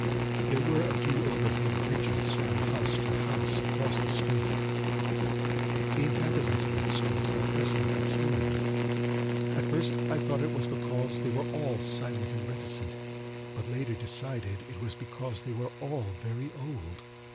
There were a few overhead bridges from house to house across the street. The inhabitants of that street impressed me peculiarly; At first I thought it was because they were all silent and reticent; but later decided it was because they were all very old.